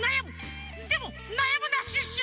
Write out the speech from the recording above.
でもなやむなシュッシュ！